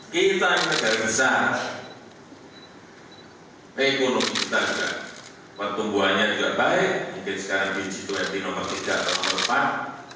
kita ini negara besar ekonomi kita juga pertumbuhannya juga baik mungkin sekarang g dua puluh nomor tiga atau nomor empat